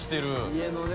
家のね。